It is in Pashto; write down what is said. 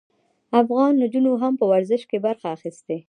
افغان نجونو هم په ورزش کې برخه اخیستې.